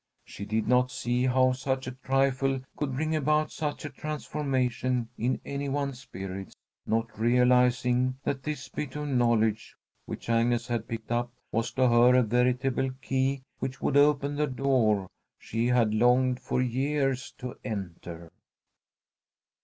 She did not see how such a trifle could bring about such a transformation in any one's spirits, not realizing that this bit of knowledge which Agnes had picked up was to her a veritable key which would open the door she had longed for years to enter.